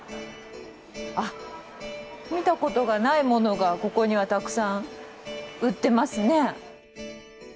あっ見たことがないものがここにはたくさん売ってますね。